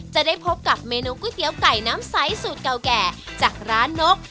จะได้พบกับเมนูก๋วยเตี๋ยวไก่น้ำไซส์สูตรเก่าแก่จากร้านนก